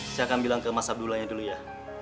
saya akan bilang ke mas abdullah nya dulu ya